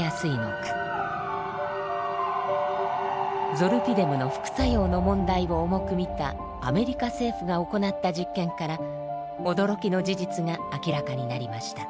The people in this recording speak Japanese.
ゾルピデムの副作用の問題を重く見たアメリカ政府が行った実験から驚きの事実が明らかになりました。